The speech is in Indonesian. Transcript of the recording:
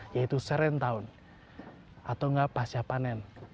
yaitu serentown atau pasyapanen